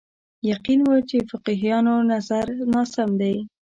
یقین و چې فقیهانو نظر ناسم دی